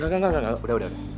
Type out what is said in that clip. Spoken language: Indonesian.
gak gak gak udah udah udah